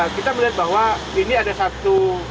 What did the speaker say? kita melihat bahwa ini ada satu